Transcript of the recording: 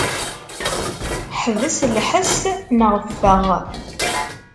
Ḥbes lḥess neɣ ffeɣ.